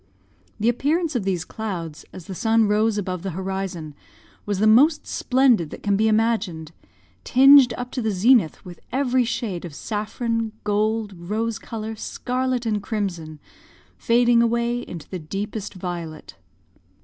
The appearance of these clouds, as the sun rose above the horizon, was the most splendid that can be imagined, tinged up to the zenith with every shade of saffron, gold, rose colour, scarlet, and crimson, fading away into the deepest violet.